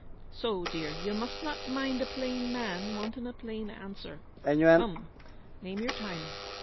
So, dear, you must not mind a plain man wanting a plain answer. Come, name your time.